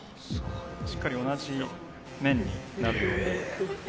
しっかり同じ面になるように。